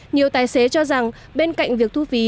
nhiều tài xế cho rằng bên cạnh việc thu phí